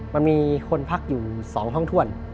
มันมีคนพักอยู่๒ห้องถ้วน